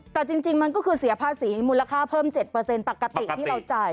แต่จริงมันก็คือเสียภาษีมูลค่าเพิ่ม๗ปกติที่เราจ่าย